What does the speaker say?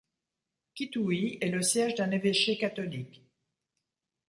Kitui est le siège d'un évêché catholique.